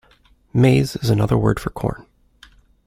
Maize is another word for corn